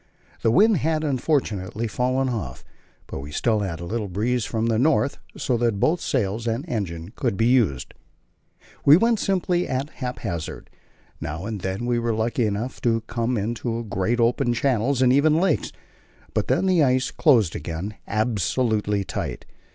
The wind had, unfortunately, fallen off, but we still had a little breeze from the north, so that both sails and engine could be used. We went simply at haphazard; now and then we were lucky enough to come into great open channels and even lakes, but then the ice closed again absolutely tight.